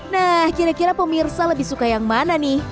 nah kira kira pemirsa lebih suka yang mana nih